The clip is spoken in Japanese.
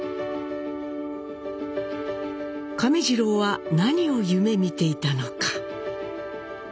亀治郎は何を夢みていたのか。